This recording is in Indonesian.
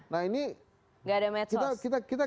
nah ini gak ada medsos kita